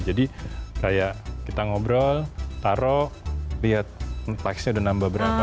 jadi kayak kita ngobrol taro lihat likesnya udah nambah berapa